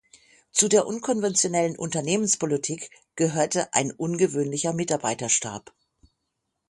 Zu der unkonventionellen Unternehmenspolitik gehörte ein ungewöhnlicher Mitarbeiterstab.